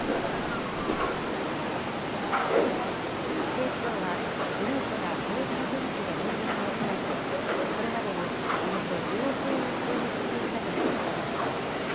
警視庁は、グループがこうした手口で名義人を増やし、これまでにおよそ１０億円を不正に受給したと見て調べています。